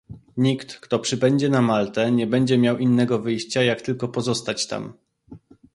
Nikt, kto przybędzie na Maltę, nie będzie miał innego wyjścia, jak tylko pozostać tam